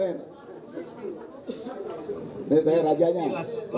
ini terakhir rajanya